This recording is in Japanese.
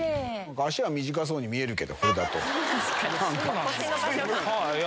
足は短そうに見えるけど。